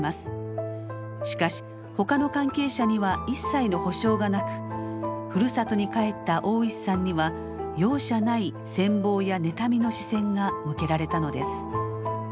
しかしほかの関係者には一切の補償がなくふるさとに帰った大石さんには容赦ない羨望や妬みの視線が向けられたのです。